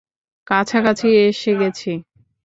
কাছাকাছি এসে গেছি।